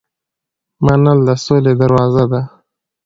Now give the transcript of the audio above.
منل د سولې دروازه ده.